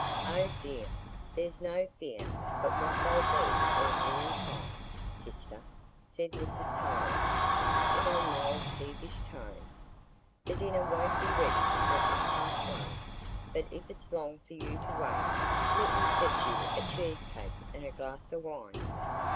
"Oh dear, there's no fear but what they'll be all here in time, sister," said Mrs Tulliver, in her mild peevish tone. "The dinner won't be ready till half past one. But if it's long for you to wait, let me fetch you a cheesecake and a glass o' wine."